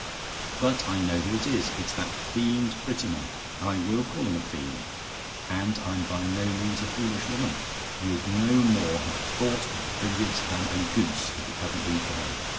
"But I know who it is; it's that fiend Prettyman. I WILL call him a fiend, and I'm by no means a foolish woman: you'd no more have thought of billiards than a goose, if it hadn't been for him.